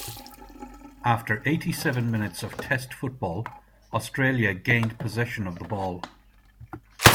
After eighty-seven minutes of test football, Australia gained possession of the ball.